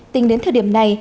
tính đến thời điểm này